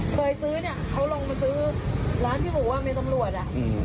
เคยซื้อนี่เขาลงมาซื้อร้านที่หมู่ว่าเหมือนตำรวจน่ะ